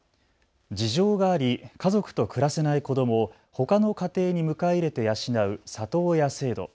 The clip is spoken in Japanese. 事情があり家族と暮らせない子どもをほかの家庭に迎え入れて養う里親制度。